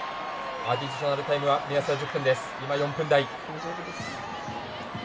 アディショナルタイムは目安は１０分。